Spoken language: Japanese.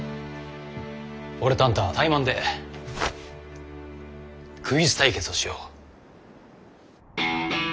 俺とあんたタイマンでクイズ対決をしよう。